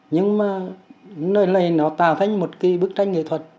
nhưng mà nơi này nó tạo thành một cái bức tranh nghệ thuật